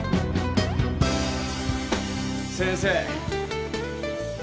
先生。